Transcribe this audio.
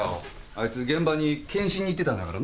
あいつ現場に検視に行ってたんだから。